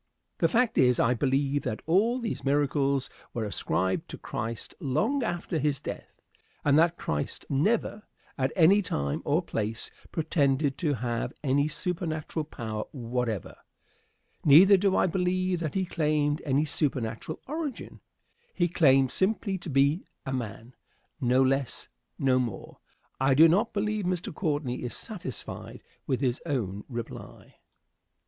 The fact is, I believe that all these miracles were ascribed to Christ long after his death, and that Christ never, at any time or place, pretended to have any supernatural power whatever. Neither do I believe that he claimed any supernatural origin. He claimed simply to be a man; no less, no more. I do not believe Mr. Courtney is satisfied with his own reply. Question.